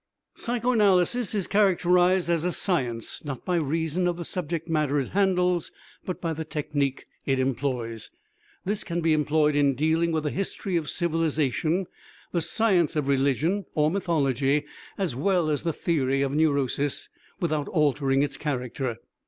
Psychoanalysis is characterized as a science, not by reason of the subject matter it handles but by the technique it employs. This can be employed in dealing with the history of civilization, the science of religion or mythology, as well as with the theory of neurosis, without altering its character.